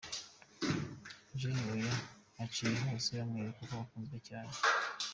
Jay aho aciye hose bamwereka ko akunzwe cyane.